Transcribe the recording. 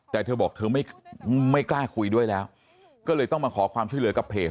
แต่เธอบอกเธอไม่กล้าคุยด้วยแล้วก็เลยต้องมาขอความช่วยเหลือกับเพจ